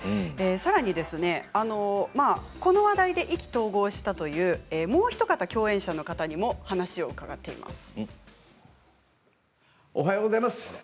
さらにこの話題で意気投合したという共演者の方にもお話を聞いています。